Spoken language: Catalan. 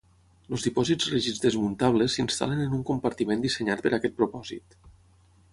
Els dipòsits rígids desmuntables s'instal·len en un compartiment dissenyat per a aquest propòsit.